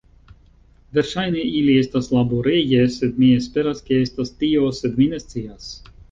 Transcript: Verŝajne ili estas laboreje, sed mi esperas ke estas tio, sed mi ne scias.